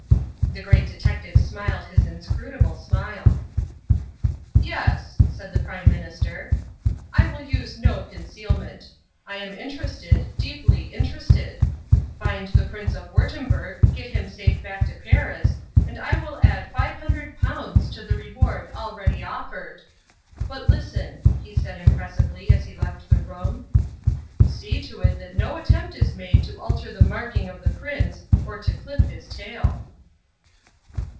The Great Detective smiled his inscrutable smile. "Yes," said the Prime Minister. "I will use no concealment. I am interested, deeply interested. Find the Prince of Wurttemberg, get him safe back to Paris and I will add £500 to the reward already offered. But listen," he said impressively as he left the room, "see to it that no attempt is made to alter the marking of the prince, or to clip his tail."